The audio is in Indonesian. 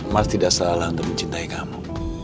maaf tidak salah untuk mencintai kamu